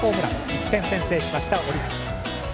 １点先制したオリックス。